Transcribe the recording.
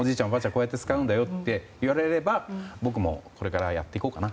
こうやって使うんだって言われれば僕もこれからやっていこうかな。